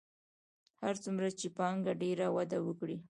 هر څومره چې پانګه ډېره وده وکړي